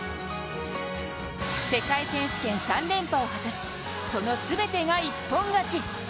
世界選手権３連覇を果たし、その全てが一本勝ち。